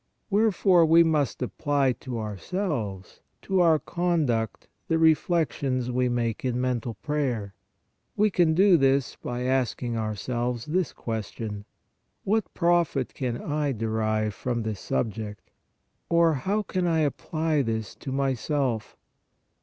Where fore we must apply to ourselves, to our conduct the reflections we make in mental prayer. We can do this by asking ourselves this question :" What profit can I derive from this subject?" or, "How can I apply this to myself?